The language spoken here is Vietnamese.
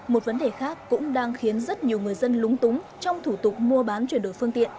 một vấn đề khác cũng đang khiến rất nhiều người dân lúng túng trong thủ tục mua bán chuyển đổi phương tiện